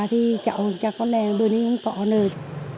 thì cháu chắc có lẽ đuôi nó không có nơi